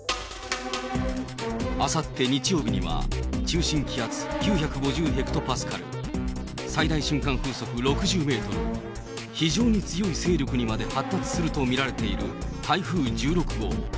あさって日曜日には、中心気圧９５０ヘクトパスカル、最大瞬間風速６０メートル、非常に強い勢力にまで発達すると見られている台風１６号。